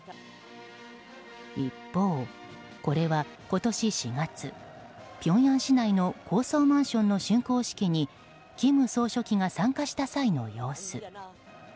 一方、これは今年４月ピョンヤン市内の高層マンションの竣工式に金総書記が参加した際の様子。